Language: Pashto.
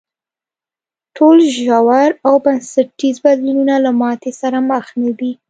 ټول ژور او بنسټیز بدلونونه له ماتې سره مخ نه دي.